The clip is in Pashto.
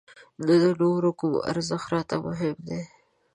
نه د نورو کوم ارزښت راته مهم دی.